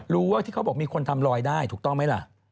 รู้ว่าที่เขาบอกมีคนทำลอยได้ถูกต้องไหมล่ะ